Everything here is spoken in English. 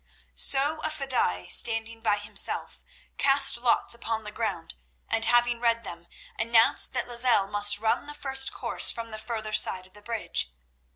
So a daï, standing by himself, cast lots upon the ground, and having read them, announced that Lozelle must run the first course from the further side of the bridge.